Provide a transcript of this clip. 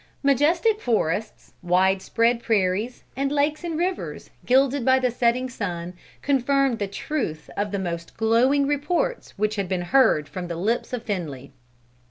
Majestic forests, wide spread prairies, and lakes and rivers, gilded by the setting sun, confirmed the truth of the most glowing reports which had been heard from the lips of Finley.